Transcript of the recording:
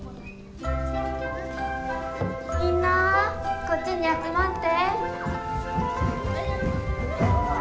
みんなこっちに集まって。